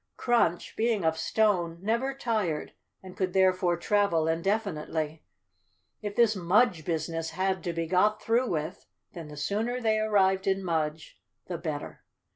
Crunch, being of stone, never tired and could therefore travel indefinitely. If this Mudge business had to be got through with, then the sooner they arrived in 367 The Cowardly Lion of Oz _ Mudge the better.